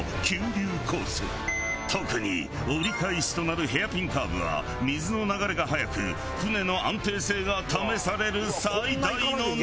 特に折り返しとなるヘアピンカーブは水の流れが速く舟の安定性が試される最大の難所。